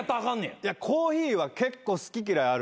コーヒーは結構好き嫌いあるんで。